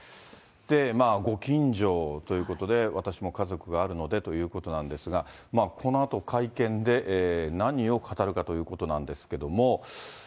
ご近所ということで、私も家族があるのでということなんですが、このあと会見で何を語るかということなんですけれども。